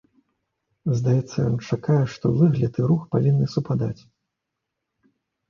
Здаецца, ён чакае, што выгляд і рух павінны супадаць.